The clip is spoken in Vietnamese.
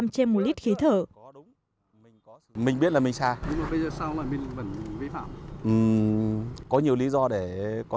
trên một lít khí thở